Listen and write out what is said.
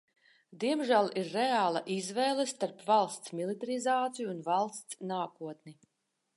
Diemžēl ir reāla izvēle starp valsts militarizāciju un valsts nākotni.